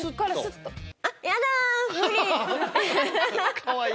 かわいい！